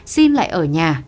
xin lại ở nhà